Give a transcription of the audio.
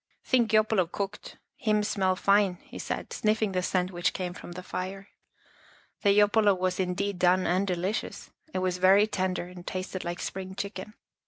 " Think yopolo cooked. Him smell fine," he Housekeeping in a Cave 107 said, sniffing the scent which came from the fire. The yopolo was indeed done and delicious. It was very tender and tasted like spring chicken.